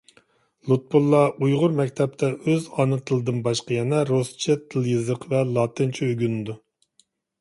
لۇتپۇللا ئۇيغۇر مەكتەپتە ئۆز ئانا تىلىدىن باشقا يەنە رۇسچە تىل-يېزىق ۋە لاتىنچە ئۆگىنىدۇ.